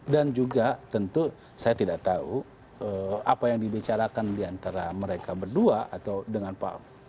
dan juga tentu saya tidak tahu apa yang dibicarakan di antara mereka berdua atau dengan pak